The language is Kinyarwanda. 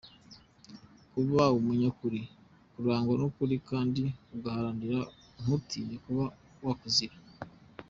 Kuba umunyakuri- Kurangwa n’ukuri kandi ukaguharanira ntutinye no kuba wakuzira.